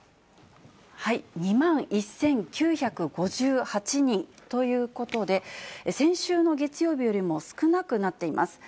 ２万１９５８人ということで、先週の月曜日よりも少なくなっています。